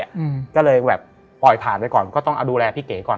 อืมก็เลยแบบปล่อยผ่านไปก่อนก็ต้องเอาดูแลพี่เก๋ก่อน